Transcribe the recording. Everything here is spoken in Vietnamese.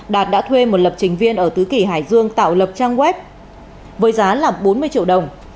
đạt đã thuê một lập trình viên ở tứ kỳ hải dương tạo lập trang web với giá là bốn mươi triệu đồng